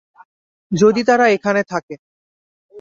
যদি তারা এখানে থাকে।